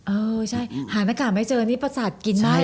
เออใช่หาหน้ากากไม่เจอนี่ประสาทกินมาก